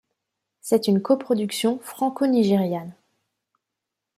C'est une coproduction franco-nigériane.